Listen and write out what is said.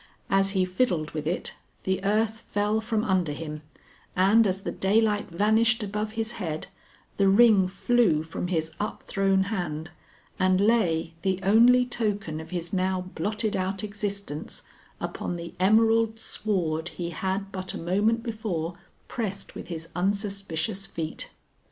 As he fiddled with it, the earth fell from under him, and as the daylight vanished above his head, the ring flew from his up thrown hand, and lay, the only token of his now blotted out existence, upon the emerald sward he had but a moment before pressed with his unsuspicious feet.